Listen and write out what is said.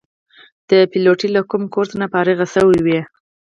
د پیلوټۍ له کوم کورس نه فارغ شوي وو.